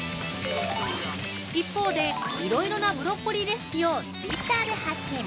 一方で、いろいろなブロッコリーレシピをツイッターで発信。